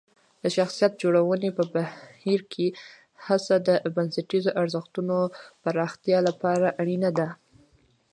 د شخصیت جوړونې په بهیر کې هڅه د بنسټیزو ارزښتونو پراختیا لپاره اړینه ده.